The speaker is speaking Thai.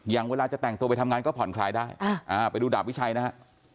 อย่างเวลาจะแต่งตัวไปทำงานก็ผ่อนคลายได้ไปดูดาบวิชัยนะฮะ